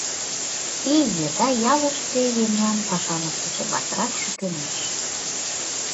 Ий еда ялыште еҥлан пашам ыштыше батрак шукемеш.